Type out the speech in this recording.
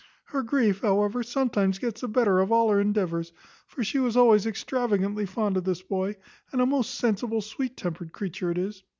Her grief, however, sometimes gets the better of all her endeavours; for she was always extravagantly fond of this boy, and a most sensible, sweet tempered creature it is.